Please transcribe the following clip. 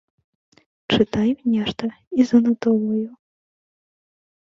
Чытаю нешта і занатоўваю.